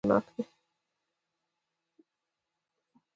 د اوزون سورۍ خطرناک دی